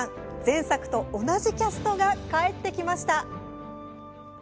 前作と同じキャストが帰ってきました。